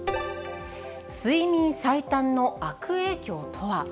睡眠最短の悪影響とは？